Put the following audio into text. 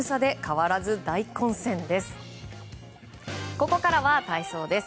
ここからは、体操です。